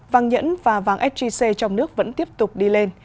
vàng nhẫn và vàng sgc trong nước vẫn tiếp tục đi lên